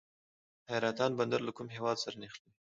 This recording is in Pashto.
حیرتان بندر له کوم هیواد سره نښلوي؟